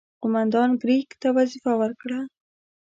قوماندان کرېګ ته وظیفه ورکړه.